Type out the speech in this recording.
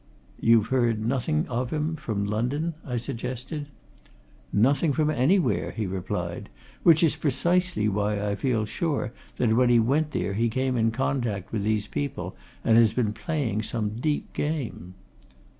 "You've heard nothing of him from London?" I suggested. "Nothing, from anywhere," he replied. "Which is precisely why I feel sure that when he went there he came in contact with these people and has been playing some deep game."